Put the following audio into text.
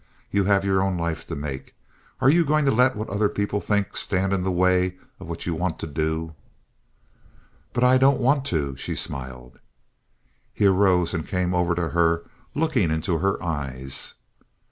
You have your own life to make. Are you going to let what other people think stand in the way of what you want to do?" "But I don't want to," she smiled. He arose and came over to her, looking into her eyes.